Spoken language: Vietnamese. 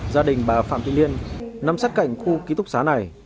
gia đình bà phạm thị liên nằm sát cảnh khu ký túc xá này